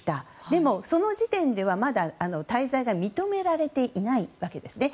でも、その時点ではまだ滞在が認められていないわけですね。